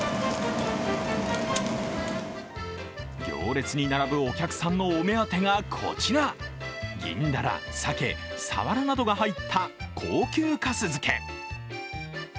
行列に並ぶお客さんのお目当てがこちら銀だら、さけ、さわらなどが入った高級かす漬け。